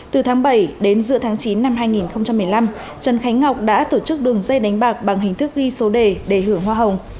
từ tháng bảy đến giữa tháng chín năm hai nghìn một mươi năm trần khánh ngọc đã tổ chức đường dây đánh bạc bằng hình thức ghi số đề để hưởng hoa hồng